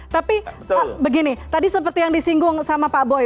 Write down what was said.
tapi begini tadi seperti yang disinggung sama pak boy